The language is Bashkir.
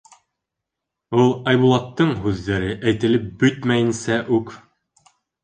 Ул Айбулаттың һүҙҙәре әйтелеп бөтмәйенсә үк: